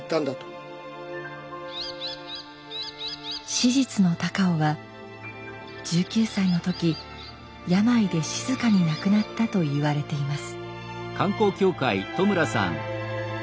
史実の高尾は１９歳の時病で静かに亡くなったといわれています。